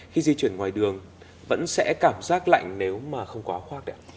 khi di chuyển ngoài đường vẫn sẽ cảm giác lạnh nếu mà không quá khoác đẹp ạ